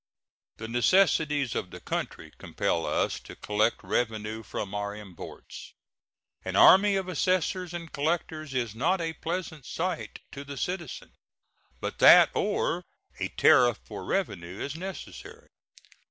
The necessities of the country compel us to collect revenue from our imports. An army of assessors and collectors is not a pleasant sight to the citizen, but that or a tariff for revenue is necessary.